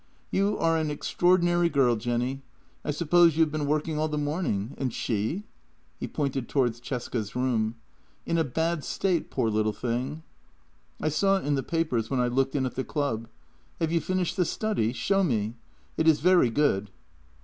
You are an extraordinary girl, Jenny. I suppose you have been working all the morning — and she?" He pointed towards Cesca's room. " In a bad state, poor little thing." " I saw it in the papers when I looked in at the club. Have you finished the study? Show me. It is very good."